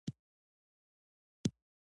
دا ورته پاملرنه کېږي.